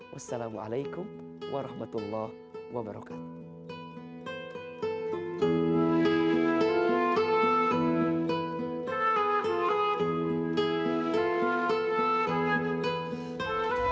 wassalamualaikum warahmatullah wabarakatuh